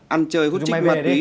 ăn chơi hút trích mất bí